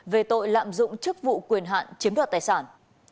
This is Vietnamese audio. về tội lạm dụng chức vụ quyền hạn chiếm đoạt tài sản